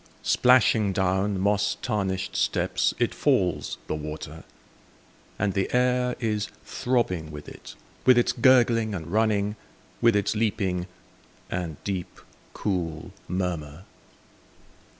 Splashing down moss tarnished steps It falls, the water; And the air is throbbing with it. With its gurgling and running. With its leaping, and deep, cool murmur.